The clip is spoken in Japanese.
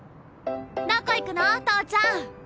どこ行くの投ちゃん？